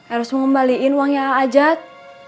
eros mau ngemebaliin uangnya alhajad